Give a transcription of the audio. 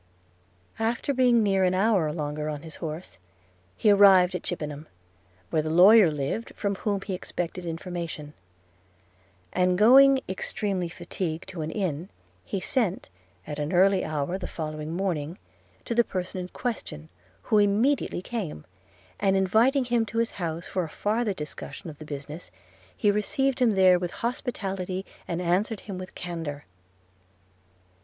After being near an hour longer on his horse, he arrived at Chippenham, where the lawyer lived from whom he expected information; and, going extremely fatigued to an inn, he sent, at an early hour the following morning, to the person in question, who immediately came; and, inviting him to his house for a farther discussion of the business, he received him there with hospitality, and answered him with candour.